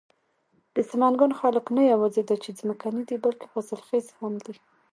د سمنگان خلک نه یواځې دا چې ځمکني دي، بلکې حاصل خيز هم دي.